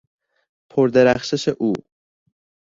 پر درخشش او